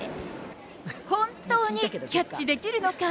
本当にキャッチできるのか。